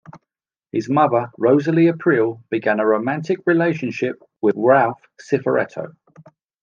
His mother Rosalie Aprile began a romantic relationship with Ralph Cifaretto.